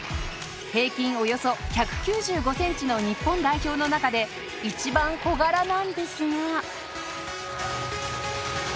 平均およそ１９５センチの日本代表の中で一番小柄なんですが。